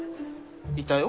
いたよ。